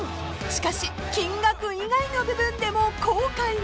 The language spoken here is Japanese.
［しかし金額以外の部分でも後悔が］